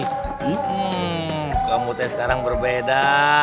hmm kamu teh sekarang berbeda